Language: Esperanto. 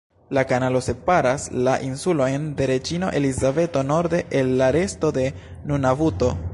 La kanalo separas la Insulojn de Reĝino Elizabeto norde el la resto de Nunavuto.